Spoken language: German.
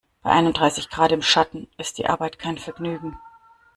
Bei einunddreißig Grad im Schatten ist die Arbeit kein Vergnügen.